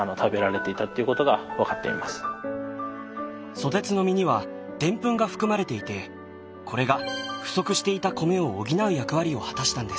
ソテツの実にはデンプンが含まれていてこれが不足していた米を補う役割を果たしたんです。